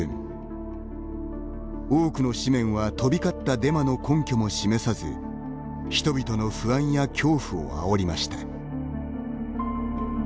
多くの紙面は飛び交ったデマの根拠も示さず人々の不安や恐怖をあおりました。